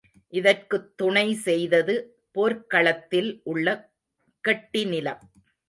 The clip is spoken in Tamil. இதற்குத் துணைசெய்தது போர்க்களத்தில் உள்ள கெட்டிநிலம்.